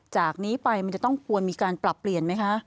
จากนี้ไปมันจะต้องควรมีการปรับเปลี่ยนไหมคะ